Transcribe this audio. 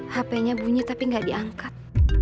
hp nya bunyi tapi gak diangkat